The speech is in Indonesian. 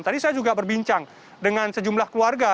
tadi saya juga berbincang dengan sejumlah keluarga